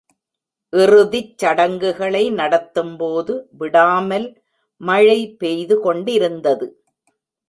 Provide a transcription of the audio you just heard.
இறுதித் சடங்குகளை நடத்தும்போது, விடாமல் மழை பெய்து கொண்டிருந்தது.